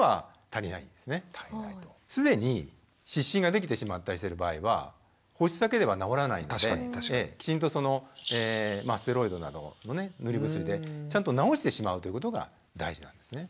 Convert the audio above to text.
ただ既に湿疹ができてしまったりしてる場合は保湿だけでは治らないのできちんとそのステロイドなどのね塗り薬でちゃんと治してしまうということが大事なんですね。